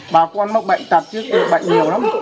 bà con mọc bệnh tật bệnh nhiều lắm